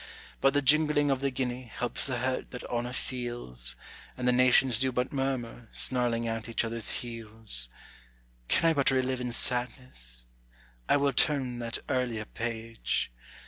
But the jingling of the guinea helps the hurt that honor feels, And the nations do but murmur, snarling at each other's heels. Can I but relive in sadness? I will turn that earlier page.